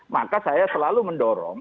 maka saya selalu mendorong